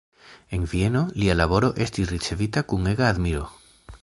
En Vieno lia laboro estis ricevita kun ega admiro.